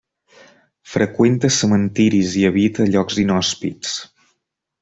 Freqüenta cementiris i habita llocs inhòspits.